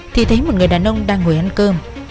thì thấy một người đàn ông đang ngồi ăn cơm